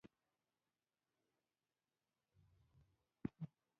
د مسکو د شېرېمېتوا په هوايي ميدان کې الوتکو اعلان کېده.